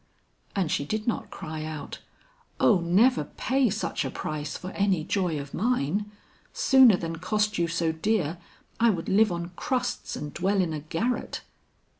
And she did not cry out, 'O never pay such a price for any joy of mine! Sooner than cost you so dear I would live on crusts and dwell in a garret.'